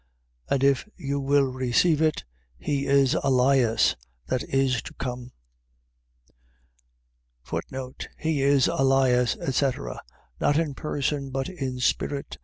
And if you will receive it, he is Elias that is to come. He is Elias, etc. . .Not in person, but in spirit.